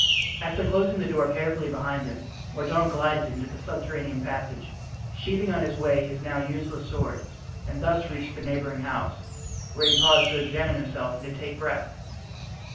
After closing the door carefully behind him Mordaunt glided into the subterranean passage, sheathing on the way his now useless sword, and thus reached the neighboring house, where he paused to examine himself and to take breath.